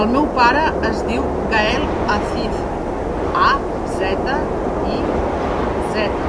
El meu pare es diu Gaël Aziz: a, zeta, i, zeta.